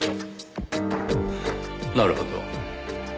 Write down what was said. なるほど。